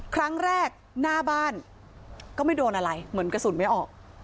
ครั้งแรกหน้าบ้านก็ไม่โดนอะไรเหมือนกระสุนไม่ออก